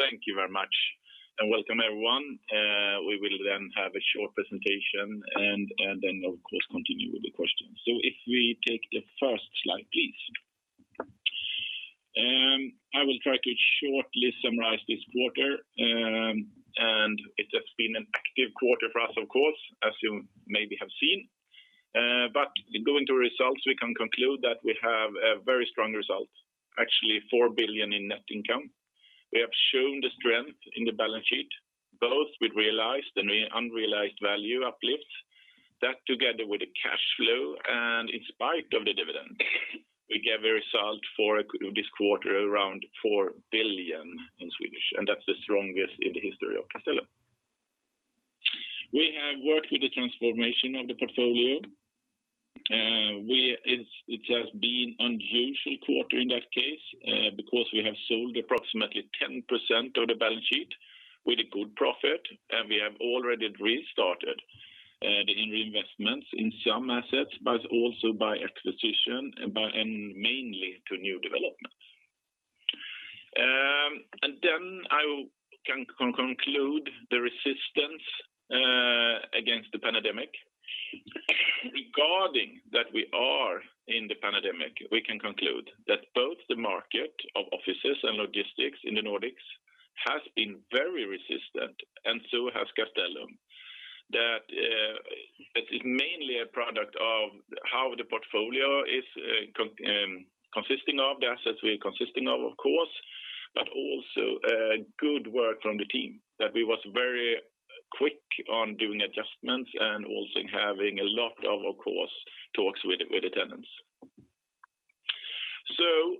Thank you very much and welcome everyone. We will have a short presentation and of course continue with the questions. If we take the first slide, please. I will try to shortly summarize this quarter. It has been an active quarter for us, of course, as you maybe have seen. Going to results, we can conclude that we have a very strong result, actually 4 billion in net income. We have shown the strength in the balance sheet, both with realized and unrealized value uplifts. That together with the cash flow and in spite of the dividend, we get a result for this quarter around 4 billion, and that's the strongest in the history of Castellum. We have worked with the transformation of the portfolio. It has been unusual quarter in that case, because we have sold approximately 10% of the balance sheet with a good profit, and we have already restarted the reinvestments in some assets, but also by acquisition and mainly to new developments. I can conclude the resistance against the pandemic. Regarding that we are in the pandemic, we can conclude that both the market of offices and logistics in the Nordics has been very resistant and so has Castellum, it's mainly a product of how the portfolio is consisting of the assets we are consisting of course, but also good work from the team that we was very quick on doing adjustments and also having a lot of course, talks with the tenants.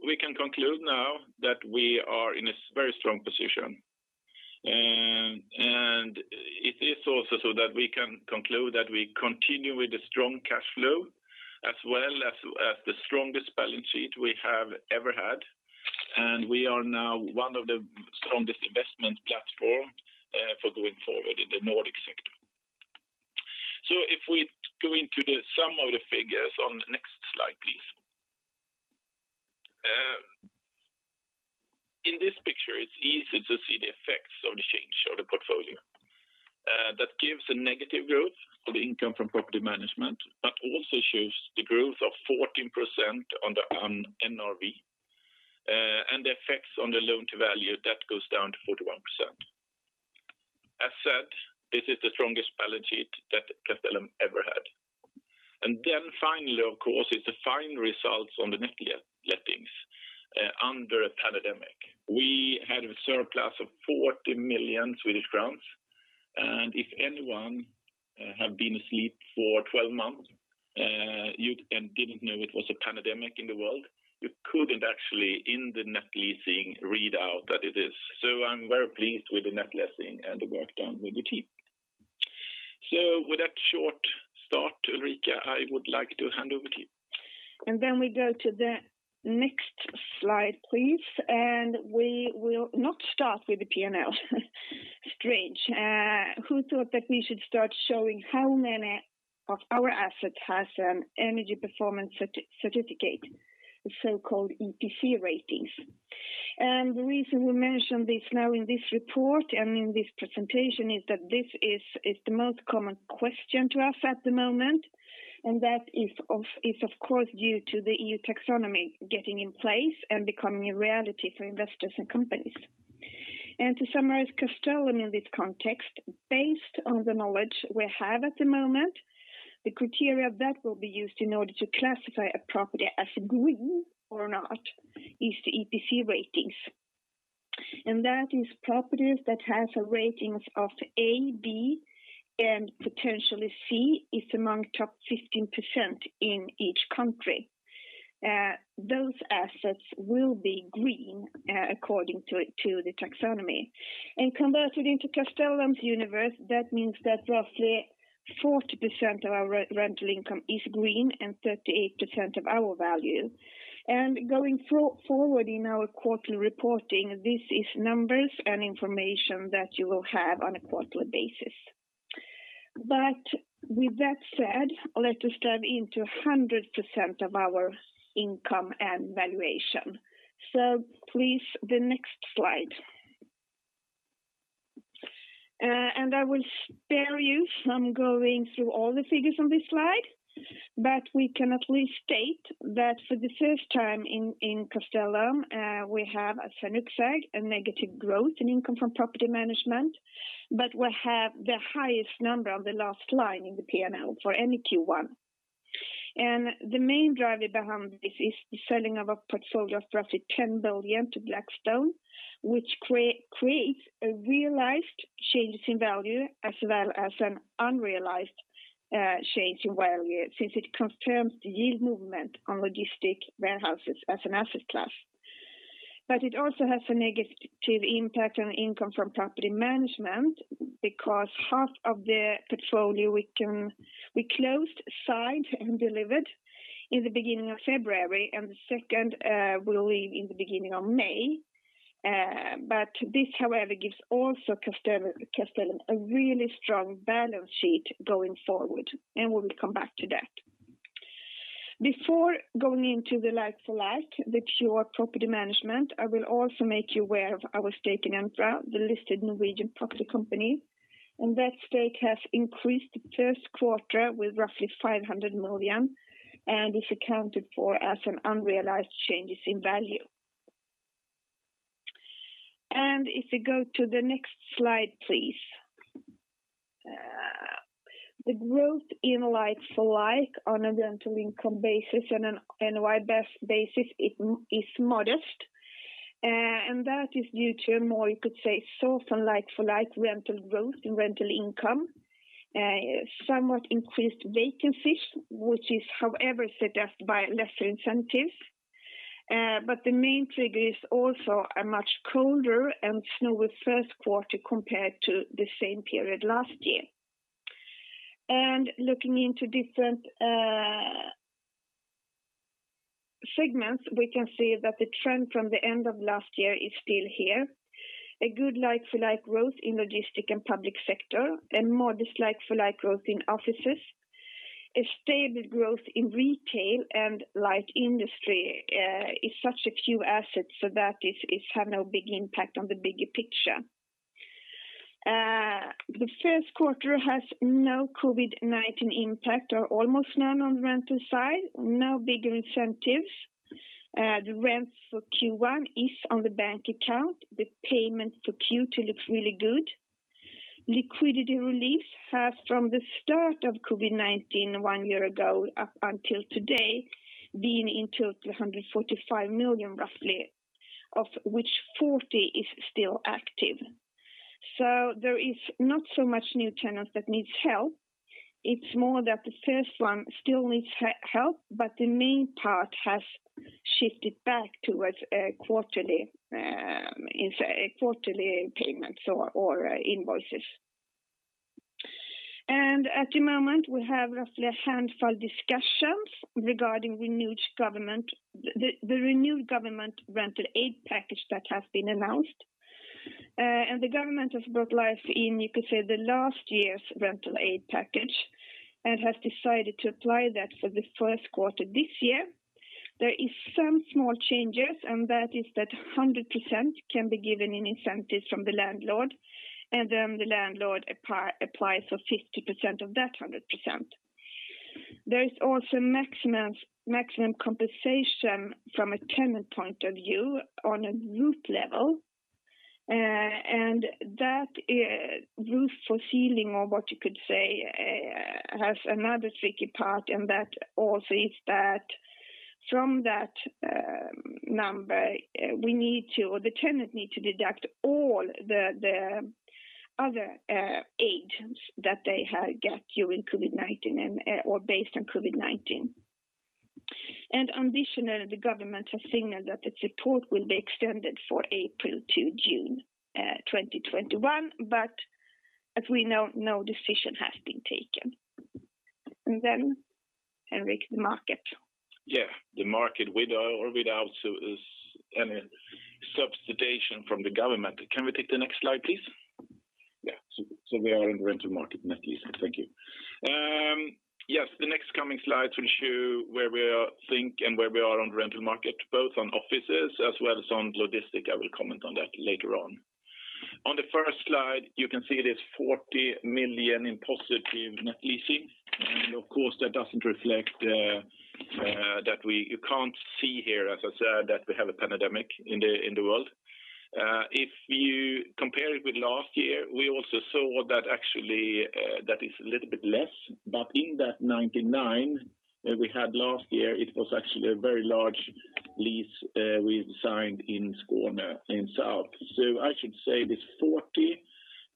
We can conclude now that we are in a very strong position. It is also so that we can conclude that we continue with the strong cash flow as well as the strongest balance sheet we have ever had. We are now one of the strongest investment platform for going forward in the Nordic sector. If we go into the some of the figures on the next slide, please. In this picture, it's easy to see the effects of the change of the portfolio. That gives a negative growth of income from property management, but also shows the growth of 14% on the NRV. The effects on the loan to value that goes down to 41%. As said, this is the strongest balance sheet that Castellum ever had. Finally, of course, it's a fine result on the net lettings under a pandemic. We had a surplus of 40 million Swedish crowns, and if anyone have been asleep for 12 months and didn't know it was a pandemic in the world, you couldn't actually in the net leasing read out that it is. I'm very pleased with the net leasing and the work done with the team. With that short start, Ulrika, I would like to hand over to you. We go to the next slide, please, we will not start with the P&L. Strange. Who thought that we should start showing how many of our assets has an energy performance certificate, the so-called EPC ratings? The reason we mention this now in this report and in this presentation is that this is the most common question to us at the moment, and that is of course, due to the EU taxonomy getting in place and becoming a reality for investors and companies. To summarize Castellum in this context, based on the knowledge we have at the moment, the criteria that will be used in order to classify a property as green or not is the EPC ratings. That is properties that has a ratings of A, B and potentially C is among top 15% in each country. Those assets will be green according to the Taxonomy. Converted into Castellum's universe, that means that roughly 40% of our rental income is green and 38% of our value. Going forward in our quarterly reporting, this is numbers and information that you will have on a quarterly basis. With that said, let us turn into 100% of our income and valuation. Please, the next slide. I will spare you from going through all the figures on this slide, but we can at least state that for the first time in Castellum, we have as for Norrporten a negative growth in income from property management, but we have the highest number on the last line in the P&L for any Q1. The main driver behind this is the selling of a portfolio of roughly 10 billion to Blackstone, which creates a realized changes in value as well as an unrealized change in value since it confirms the yield movement on logistic warehouses as an asset class. It also has a negative impact on income from property management because half of the portfolio we closed, signed, and delivered in the beginning of February, and the second will leave in the beginning of May. This, however, gives also Castellum a really strong balance sheet going forward, and we will come back to that. Before going into the like-for-like, the pure property management, I will also make you aware of our stake in Entra, the listed Norwegian property company. That stake has increased the first quarter with roughly 500 million, and is accounted for as an unrealized changes in value. If you go to the next slide, please. The growth in like-for-like on a rental income basis and an NOI basis is modest. That is due to more, you could say, soft and like-for-like rental growth in rental income. Somewhat increased vacancies, which is however suggested by lesser incentives. The main trigger is also a much colder and snowy first quarter compared to the same period last year. Looking into different segments, we can see that the trend from the end of last year is still here. A good like-for-like growth in logistic and public sector, a modest like-for-like growth in offices. A stable growth in retail and light industry is such a few assets, so that have no big impact on the bigger picture. The first quarter has no COVID-19 impact or almost none on the rental side. No bigger incentives. The rents for Q1 is on the bank account. The payment for Q2 looks really good. Liquidity relief has, from the start of COVID-19 one year ago up until today, been in total 145 million, roughly, of which 40 is still active. There is not so much new tenants that needs help. It's more that the first one still needs help, the main part has shifted back towards quarterly payments or invoices. At the moment, we have roughly a handful discussions regarding the renewed government rental aid package that has been announced. The government has brought life in, you could say, the last year's rental aid package and has decided to apply that for the first quarter this year. There is some small changes, and that is that 100% can be given in incentives from the landlord, and then the landlord applies for 50% of that 100%. There is also maximum compensation from a tenant point of view on a group level. That roof for ceiling, or what you could say, has another tricky part, and that also is that from that number, the tenant need to deduct all the other aids that they had get during COVID-19 or based on COVID-19. Additionally, the government has signaled that the support will be extended for April to June 2021. As we know, no decision has been taken. Then, Henrik, the market. Yeah. The market, with or without any subsidization from the government. Can we take the next slide, please? Yeah. We are in rental market net leasing. Thank you. Yes. The next coming slide will show where we think and where we are on the rental market, both on offices as well as on logistics. I will comment on that later on. On the first slide, you can see it is 40 million in positive net leasing. Of course, that doesn't reflect that you can't see here, as I said, that we have a pandemic in the world. If you compare it with last year, we also saw that actually that is a little bit less. In that 99 million that we had last year, it was actually a very large lease we signed in Skåne in south. I should say this 40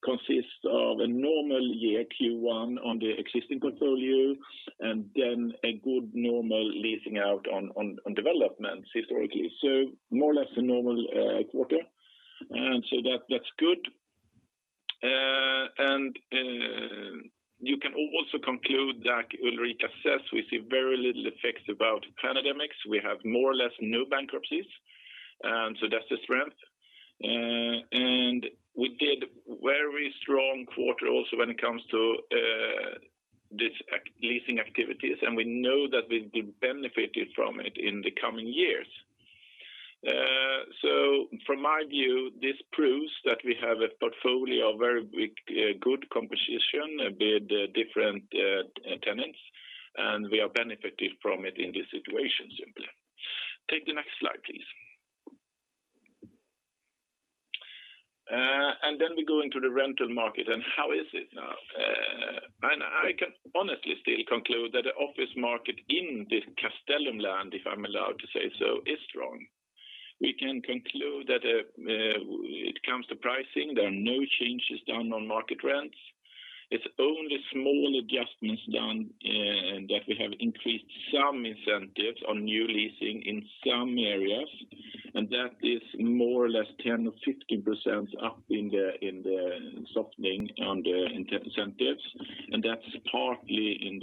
consists of a normal year Q1 on the existing portfolio, and then a good normal leasing out on developments historically. More or less a normal quarter. That's good. You can also conclude that Ulrika says we see very little effects about pandemics. We have more or less new bankruptcies. That's a strength. We did very strong quarter also when it comes to this leasing activities, and we know that we benefited from it in the coming years. From my view, this proves that we have a portfolio of very good composition with different tenants, and we are benefited from it in this situation simply. Take the next slide, please. Then we go into the rental market, and how is it now? I can honestly still conclude that the office market in the Castellum land, if I'm allowed to say so, is strong. We can conclude that it comes to pricing. There are no changes done on market rents. It's only small adjustments done in that we have increased some incentives on new leasing in some areas, and that is more or less 10 or 15% up in the softening on the incentives. That's partly in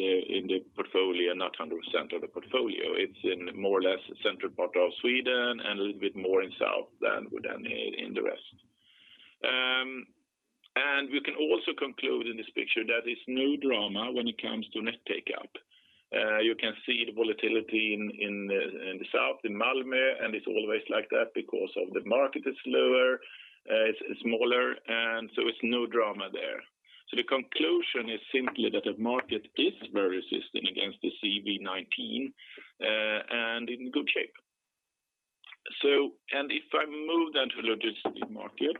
the portfolio, not 100% of the portfolio. It's in more or less central part of Sweden and a little bit more in south than in the west. We can also conclude in this picture that it's no drama when it comes to net take-up. You can see the volatility in the south, in Malmö, and it's always like that because of the market is lower. It's smaller, it's no drama there. The conclusion is simply that the market is very resistant against the COVID-19 and in good shape. If I move to the logistics market,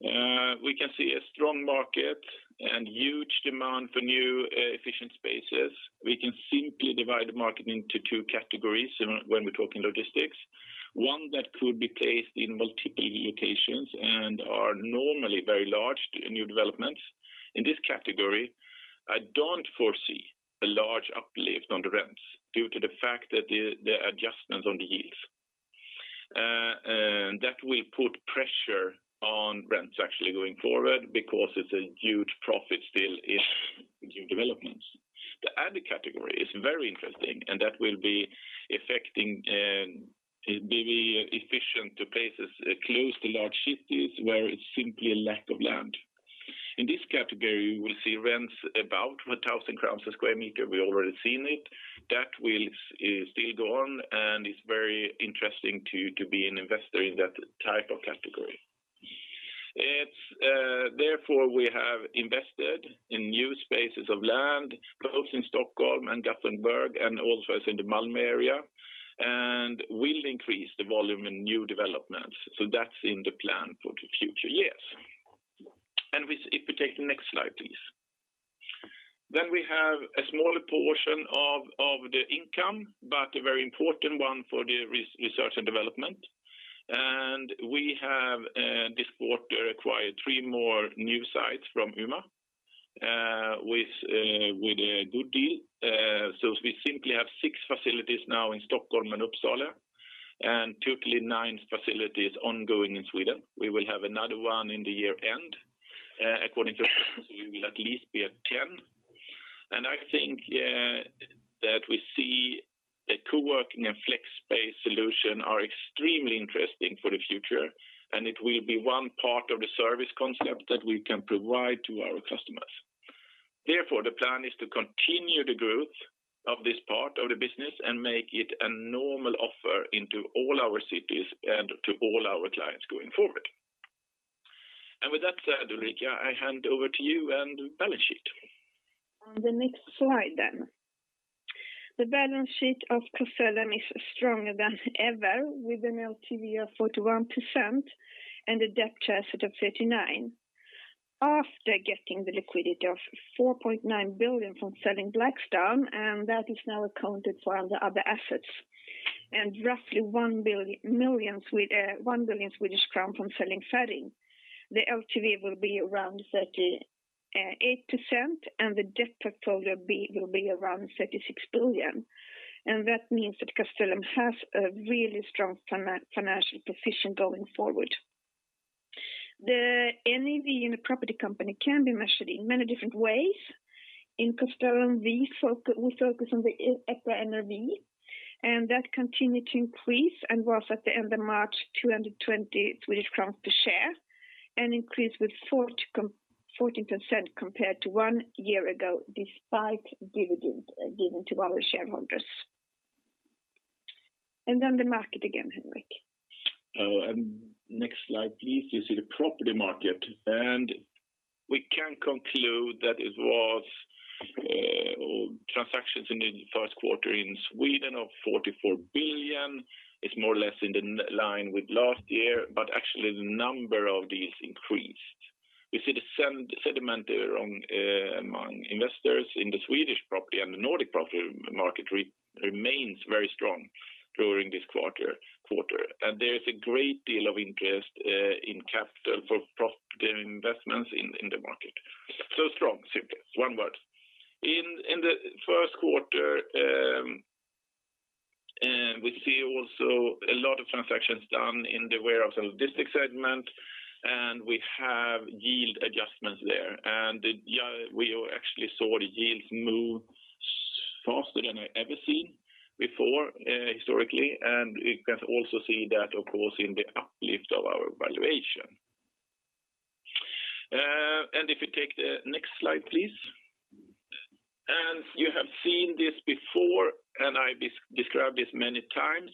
we can see a strong market and huge demand for new efficient spaces. We can simply divide the market into two categories when we're talking logistics. One that could be placed in multiple locations and are normally very large new developments. In this category, I don't foresee a large uplift on the rents due to the fact that the adjustments on the yields. That will put pressure on rents actually going forward because it's a huge profit still in new developments. The other category is very interesting, that will be efficient to places close to large cities where it's simply a lack of land. In this category, we'll see rents about 1,000 crowns a sq m. We already seen it. That will still go on, and it's very interesting to be an investor in that type of category. Therefore, we have invested in new spaces of land, both in Stockholm and Gothenburg and also in the Malmö area, and will increase the volume in new developments. That's in the plan for the future years. If we take the next slide, please. Then we have a smaller portion of the income, but a very important one for the research and development. We have this quarter acquired three more new sites from UMA with a good deal. We simply have six facilities now in Stockholm and Uppsala, and totally nine facilities ongoing in Sweden. We will have another one in the year-end. According to plans, we will at least be at 10. I think that we see the co-working and flex space solution are extremely interesting for the future, and it will be one part of the service concept that we can provide to our customers. Therefore, the plan is to continue the growth of this part of the business and make it a normal offer into all our cities and to all our clients going forward. With that said, Ulrika, I hand over to you and the balance sheet. The next slide. The balance sheet of Castellum is stronger than ever with an LTV of 41% and a debt-to-asset of 39%. After getting the liquidity of 4.9 billion from selling Blackstone, and that is now accounted for on the other assets. Roughly 1 billion Swedish crown from selling Ferring. The LTV will be around 38%, and the debt portfolio will be around 36 billion. That means that Castellum has a really strong financial position going forward. The NAV in the property company can be measured in many different ways. In Castellum, we focus on the EPRA NAV, and that continued to increase and was at the end of March 220 Swedish crowns per share, an increase with 14% compared to one year ago despite dividend given to our shareholders. The market again, Henrik. Next slide, please. You see the property market. We can conclude that it was transactions in Q1 in Sweden of 44 billion. It's more or less in line with last year. Actually, the number of these increased. We see the sentiment among investors in the Swedish property and the Nordic property market remains very strong during this Q1. There is a great deal of interest in capital for property investments in the market. Strong, simply. One word. In Q1, we see also a lot of transactions done in the warehouse and logistics segment. We have yield adjustments there. We actually saw the yields move faster than I ever seen before historically. You can also see that, of course, in the uplift of our valuation. If you take the next slide, please. You have seen this before, and I described this many times.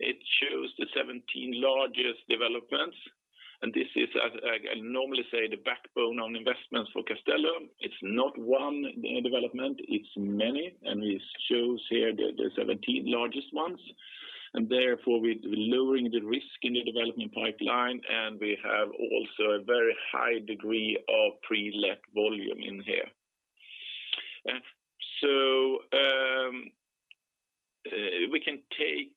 It shows the 17 largest developments, and this is, as I normally say, the backbone on investments for Castellum. It's not one development, it's many, and it shows here the 17 largest ones. Therefore, we're lowering the risk in the development pipeline, and we have also a very high degree of pre-let volume in here. We can take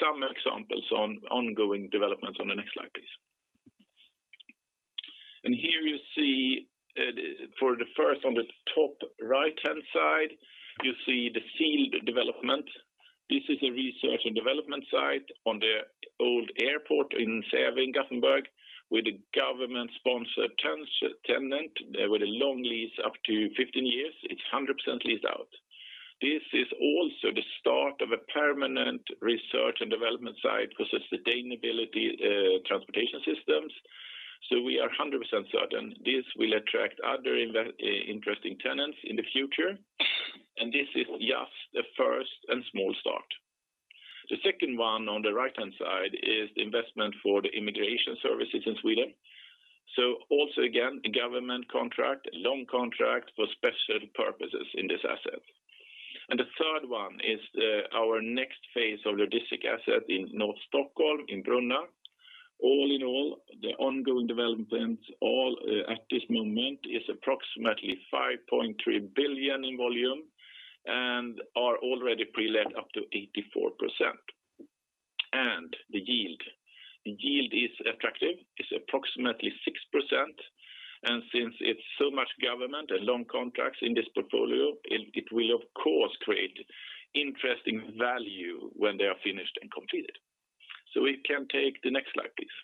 some examples on ongoing developments on the next slide, please. Here you see for the first on the top right-hand side, you see the field development. This is a research and development site on the old airport in Säve in Gothenburg with a government-sponsored tenant with a long lease up to 15 years. It's 100% leased out. This is also the start of a permanent research and development site for sustainability transportation systems. We are 100% certain this will attract other interesting tenants in the future, and this is just the first and small start. The second one on the right-hand side is the investment for the immigration services in Sweden. Also again, a government contract, a long contract for special purposes in this asset. The third one is our next phase of the district asset in north Stockholm, in Brunna. All in all, the ongoing developments all at this moment is approximately 5.3 billion in volume and are already pre-let up to 84%. The yield is attractive. It's approximately 6%, and since it's so much government and long contracts in this portfolio, it will of course create interesting value when they are finished and completed. We can take the next slide, please.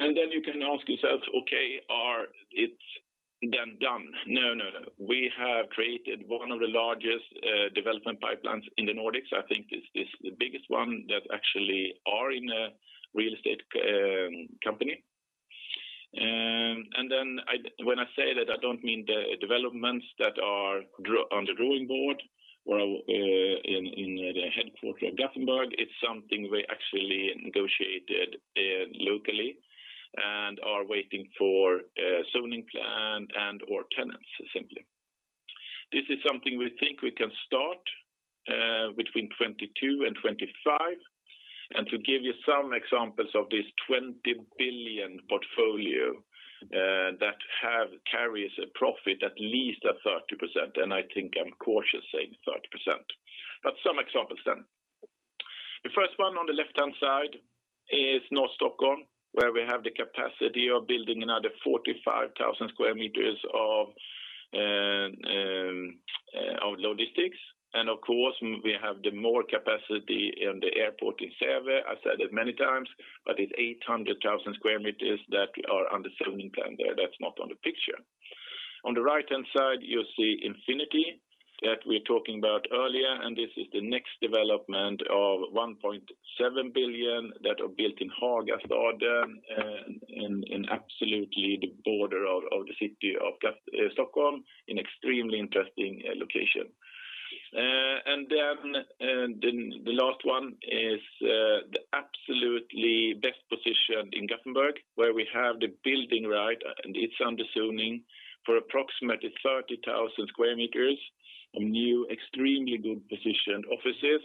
You can ask yourselves, "Okay, is it then done?" No. We have created one of the largest development pipelines in the Nordics. I think this is the biggest one that actually are in a real estate company. When I say that, I don't mean the developments that are on the drawing board in the headquarter of Gothenburg. It's something we actually negotiated locally and are waiting for zoning plan and/or tenants, simply. This is something we think we can start between 2022 and 2025. To give you some examples of this 20 billion portfolio that carries a profit at least of 30%, and I think I'm cautious saying 30%. Some examples then. The first one on the left-hand side is North Stockholm, where we have the capacity of building another 45,000 sq m of logistics. Of course, we have the more capacity in the airport in Säve. I've said it many times, it's 800,000 sq m that are under zoning plan there. That's not on the picture. On the right-hand side, you see Infinity that we were talking about earlier, this is the next development of 1.7 billion that are built in Hagastaden in absolutely the border of the city of Stockholm, an extremely interesting location. The last one is the absolutely best position in Gothenburg, where we have the building right, and it's under zoning for approximately 30,000 sq m of new, extremely good-positioned offices.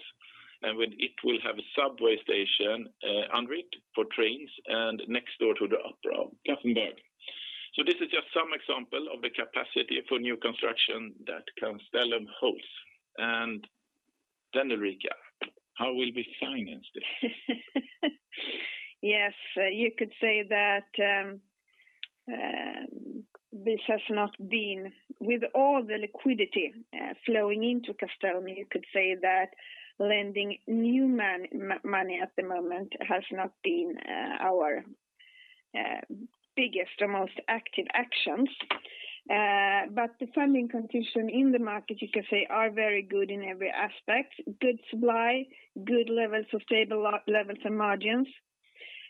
It will have a subway station, under it for trains and next door to the Opera of Gothenburg. This is just some example of the capacity for new construction that Castellum holds. Ulrika, how will we finance this? Yes. With all the liquidity flowing into Castellum, you could say that lending new money at the moment has not been our biggest or most active actions. The funding condition in the market, you can say, are very good in every aspect. Good supply, good levels of stable levels and margins.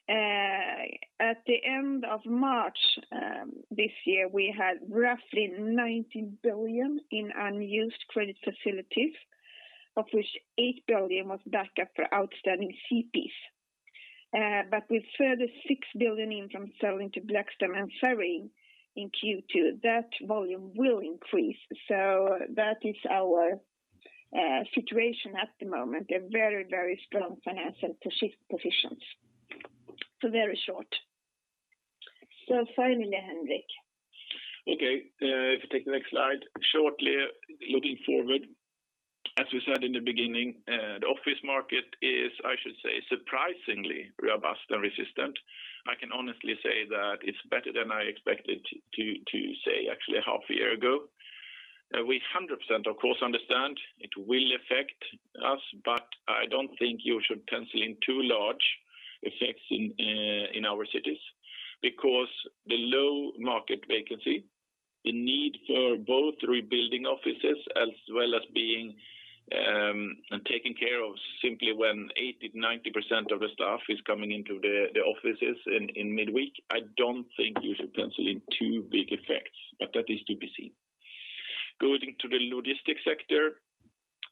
At the end of March this year, we had roughly 19 billion in unused credit facilities, of which 8 billion was backup for outstanding CPs. With further 6 billion in from selling to Blackstone and Ferring in Q2, that volume will increase. That is our situation at the moment, a very strong financial positions. Very short. Finally, Henrik. Okay. If you take the next slide. Shortly, looking forward, as we said in the beginning, the office market is, I should say, surprisingly robust and resistant. I can honestly say that it's better than I expected to say actually a half year ago. We 100%, of course, understand it will affect us, but I don't think you should pencil in too large effects in our cities because the low market vacancy, the need for both rebuilding offices as well as being and taken care of simply when 80%-90% of the staff is coming into the offices in midweek, I don't think you should pencil in too big effects. That is to be seen. Going to the logistics sector,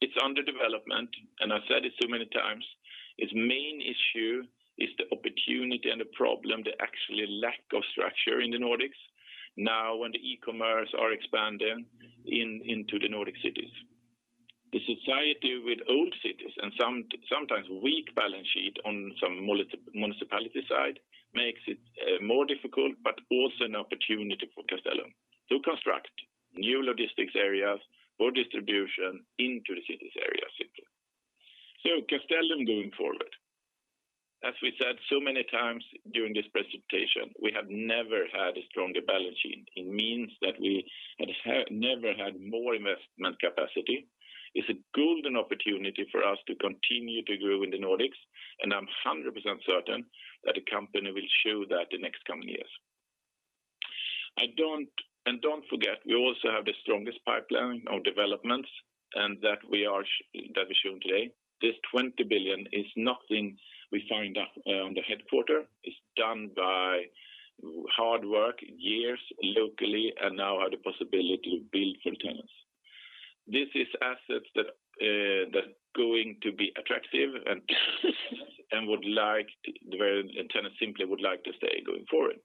it's under development, and I've said it so many times. Its main issue is the opportunity and the problem, the actual lack of structure in the Nordics now when the e-commerce are expanding into the Nordic cities. The society with old cities and sometimes weak balance sheet on some municipality side makes it more difficult, but also an opportunity for Castellum to construct new logistics areas for distribution into the cities area, simply. Castellum going forward. As we said so many times during this presentation, we have never had a stronger balance sheet. It means that we have never had more investment capacity. It's a golden opportunity for us to continue to grow in the Nordics, and I'm 100% certain that the company will show that in next coming years. Don't forget, we also have the strongest pipeline of developments, and that we are today. This 20 billion is nothing we found up on the headquarters. It's done by hard work, years locally, and now have the possibility to build for tenants. This is assets that's going to be attractive and where the tenant simply would like to stay going forward.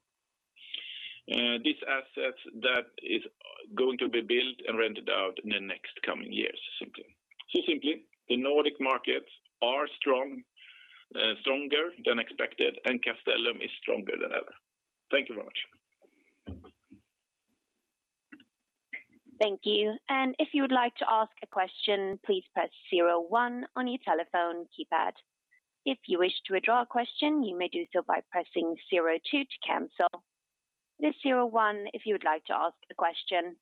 This asset that is going to be built and rented out in the next coming years, simply. simply, the Nordic markets are stronger than expected, and Castellum is stronger than ever. Thank you very much. Thank you. If you would like to ask a question, please press zero one on your telephone keypad. If you wish to withdraw a question, you may do so by pressing zero two to cancel. Press zero one if you would like to ask a question.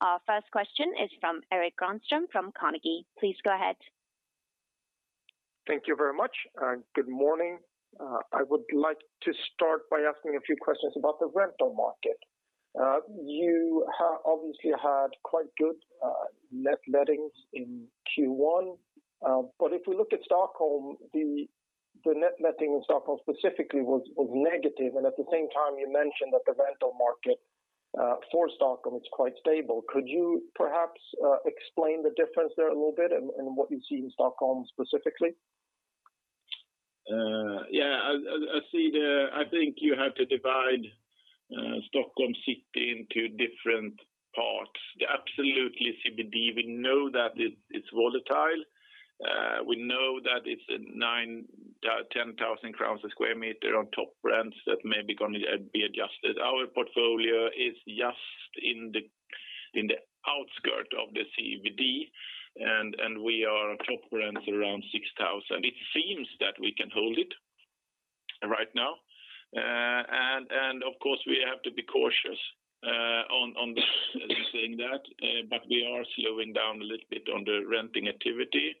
Our first question is from Erik Granström from Carnegie. Please go ahead. Thank you very much. Good morning. I would like to start by asking a few questions about the rental market. You obviously had quite good net lettings in Q1. If we look at Stockholm, the net letting in Stockholm specifically was negative, and at the same time, you mentioned that the rental market for Stockholm is quite stable. Could you perhaps explain the difference there a little bit and what you see in Stockholm specifically? Yeah. I think you have to divide Stockholm City into different parts. The absolutely CBD, we know that it's volatile. We know that it's at 9,000, 10,000 crowns a square meter on top rents that may be going to be adjusted. Our portfolio is just in the outskirt of the CBD, and we are top rents around 6,000. It seems that we can hold it right now. Of course, we have to be cautious on saying that, but we are slowing down a little bit on the renting activity.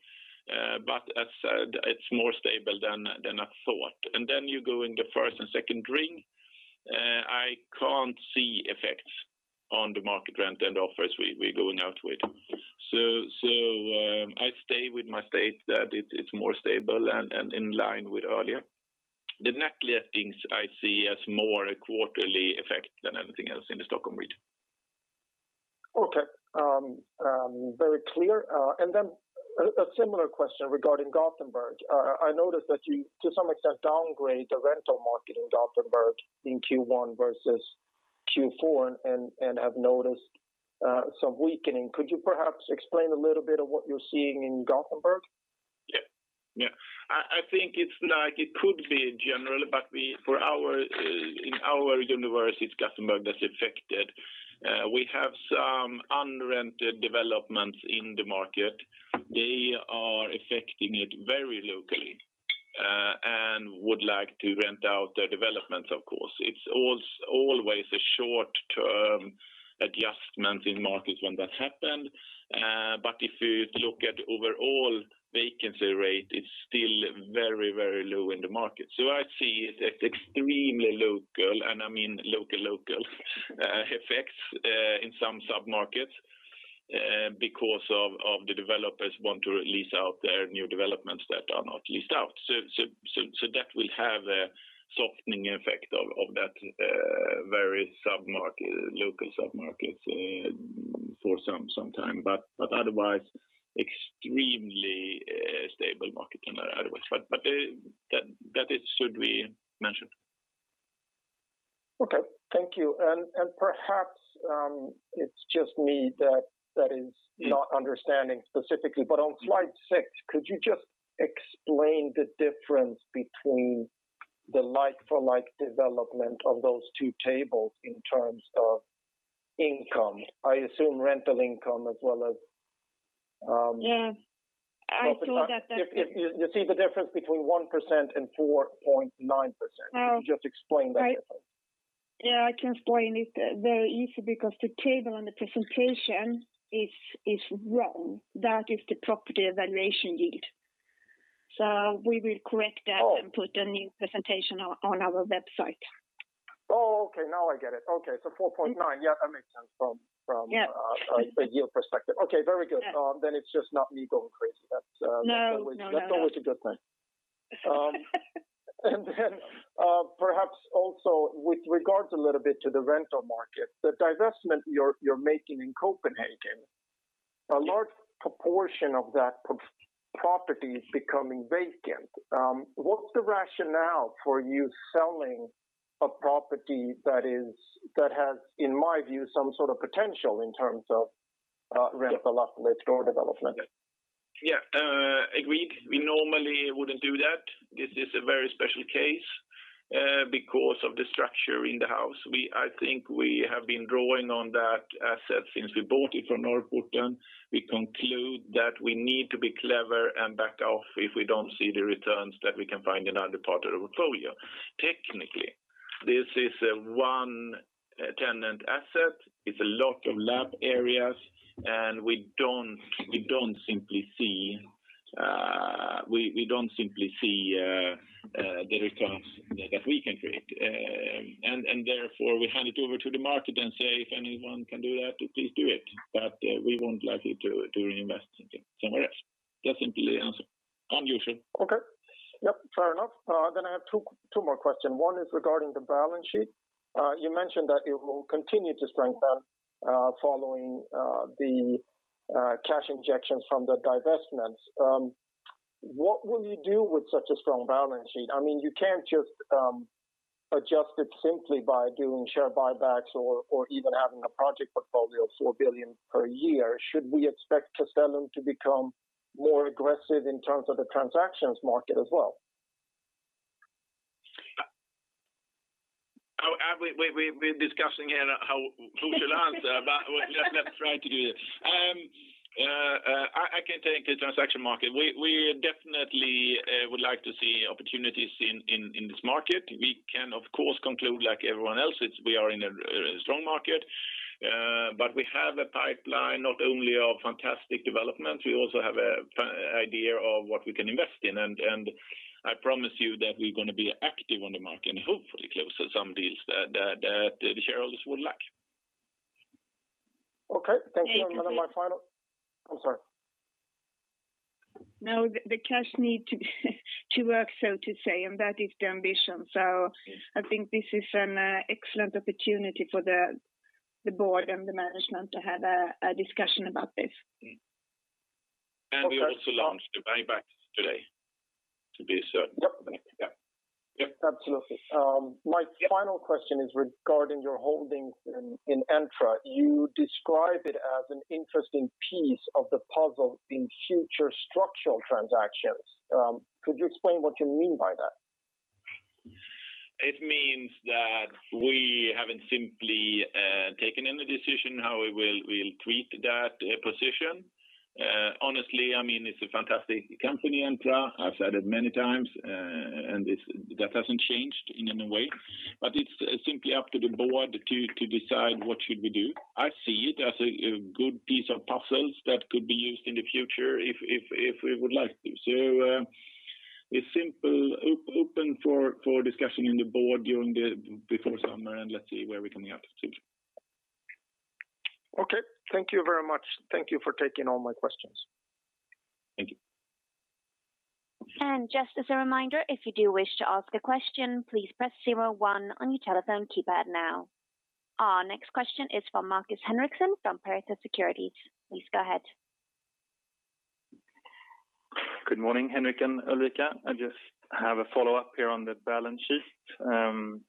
As said, it's more stable than I thought. Then you go in the first and second ring, I can't see effects on the market rent and offers we're going out with. I stay with my state that it's more stable and in line with earlier. The net lettings I see as more a quarterly effect than anything else in the Stockholm region. Okay. Very clear. A similar question regarding Gothenburg. I noticed that you, to some extent, downgrade the rental market in Gothenburg in Q1 versus Q4 and have noticed some weakening. Could you perhaps explain a little bit of what you're seeing in Gothenburg? Yeah. I think it could be general, but in our universe, it's Gothenburg that's affected. We have some unrented developments in the market. They are affecting it very locally, and would like to rent out their developments, of course. It's always a short-term adjustment in markets when that happened. If you look at overall vacancy rate, it's still very low in the market. I see it as extremely local, and I mean local effects in some sub-markets because of the developers want to lease out their new developments that are not leased out. That will have a softening effect of that very local sub-markets for some time. Otherwise, extremely stable market than otherwise. That should be mentioned. Okay, thank you. Perhaps it's just me that is not understanding specifically. On slide six, could you just explain the difference between the like-for-like development of those two tables in terms of income? I assume rental income as well as. Yeah. I saw that. You see the difference between 1% and 4.9%. Oh. Can you just explain that difference? I can explain it very easy because the table on the presentation is wrong. That is the property evaluation yield. We will correct that. Oh Put a new presentation on our website. Oh, okay. Now I get it. Okay. 4.9. Yeah, that makes sense. Yeah from a yield perspective. Okay, very good. Yeah. It's just not me going crazy. No that's always a good thing. Perhaps also with regards a little bit to the rental market, the divestment you're making in Copenhagen. Yes a large proportion of that property is becoming vacant. What's the rationale for you selling a property that has, in my view, some sort of potential in terms of rental uplift or development? Yeah. Agreed. We normally wouldn't do that. This is a very special case because of the structure in the house. I think we have been drawing on that asset since we bought it from Norrporten. We conclude that we need to be clever and back off if we don't see the returns that we can find in other part of the portfolio. Technically, this is a one-tenant asset. It's a lot of lab areas, and we don't simply see the returns that we can create. Therefore, we hand it over to the market and say, "If anyone can do that, please do it." We won't likely do any investing somewhere else. That's simply the answer. You, sir. Okay. Yep, fair enough. I have two more questions. One is regarding the balance sheet. You mentioned that it will continue to strengthen following the cash injections from the divestments. What will you do with such a strong balance sheet? You can't just adjust it simply by doing share buybacks or even having a project portfolio of 4 billion per year. Should we expect Castellum to become more aggressive in terms of the transactions market as well? We're discussing here who should answer, but let's try to do that. I can take the transaction market. We definitely would like to see opportunities in this market. We can, of course, conclude like everyone else, we are in a strong market. We have a pipeline not only of fantastic development, we also have an idea of what we can invest in. I promise you that we're going to be active on the market and hopefully close some deals that the shareholders would like. Okay. Thank you. Thank you. my final I'm sorry. No, the cash needs to work, so to say, and that is the ambition. I think this is an excellent opportunity for the board and the management to have a discussion about this. We also launched the buybacks today, to be certain. Yep. Yep. Absolutely. My final question is regarding your holdings in Entra. You describe it as an interesting piece of the puzzle in future structural transactions. Could you explain what you mean by that? It means that we haven't simply taken any decision how we will treat that position. Honestly, it's a fantastic company, Entra. I've said it many times, and that hasn't changed in any way. It's simply up to the board to decide what should we do. I see it as a good piece of puzzle that could be used in the future if we would like to. It's simply open for discussion in the board before summer, and let's see where we're coming out to. Okay. Thank you very much. Thank you for taking all my questions. Thank you. Just as a reminder, if you do wish to ask a question, please press zero one on your telephone keypad now. Our next question is from Markus Henriksson from Pareto Securities. Please go ahead. Good morning, Henrik and Ulrika. I just have a follow-up here on the balance sheet.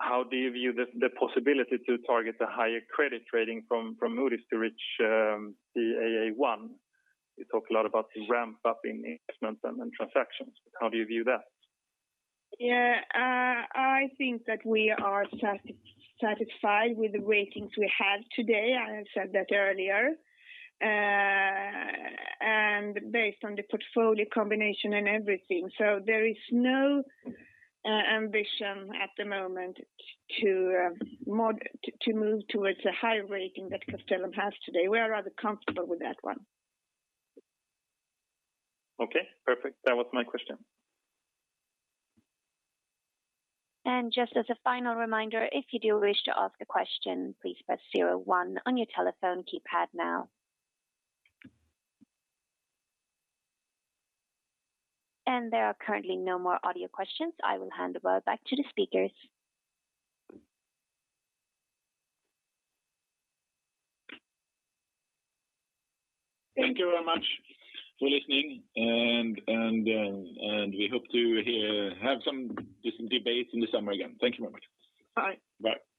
How do you view the possibility to target a higher credit rating from Moody's to reach Aa1? You talk a lot about the ramp-up in investments and transactions. How do you view that? Yeah. I think that we are satisfied with the ratings we have today, I have said that earlier, and based on the portfolio combination and everything. There is no ambition at the moment to move towards a higher rating that Castellum has today. We are rather comfortable with that one. Okay, perfect. That was my question. Just as a final reminder, if you do wish to ask a question, please press zero one on your telephone keypad now. There are currently no more audio questions. I will hand it over back to the speakers. Thank you very much for listening. We hope to have some decent debates in the summer again. Thank you very much. Bye. Bye.